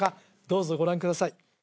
どうぞご覧ください